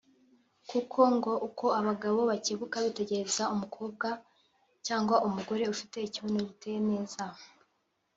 Kuko ngo uko abagabo bakebuka bitegereza umukobwa/ umugore ufite ikibuno giteye neza